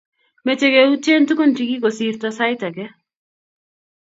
meche keyutien tuguk che kikosirto sait age